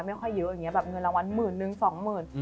ไม่ค่อยเยอะอย่างนี้แบบเงินรางวัลหมื่นนึงสองหมื่น